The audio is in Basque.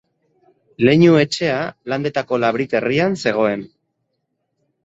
Leinu-etxea Landetako Labrit herrian zegoen.